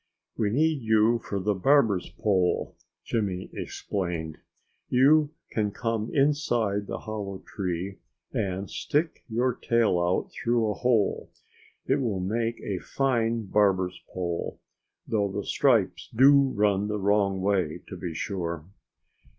"We need you for the barber's pole," Jimmy explained. "You can come inside the hollow tree and stick your tail out through a hole. It will make a fine barber's pole though the stripes DO run the wrong way, to be sure."